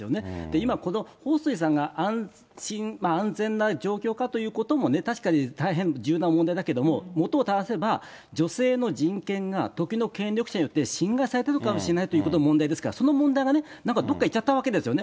今、この彭帥さんが安心、安全な状況かということも確かに大変重要な問題だけど、元をただせば、女性の人権が時の権力者によって侵害されているかもしれないということが問題ですから、その問題がね、なんかどっかに行っちゃったわけですよね。